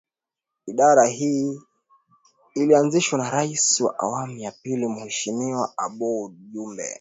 Idara hii ilianzishwa na Rais wa awamu ya Pili Mheshimiwa Aboud Jumbe